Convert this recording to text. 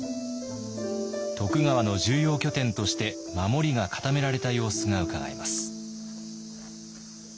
徳川の重要拠点として守りが固められた様子がうかがえます。